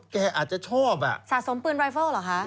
อาจจะชอบอ่ะสะสมปืนไวเฟิลเหรอคะ